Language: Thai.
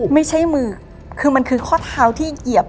มือคือมันคือข้อเท้าที่เหยียบ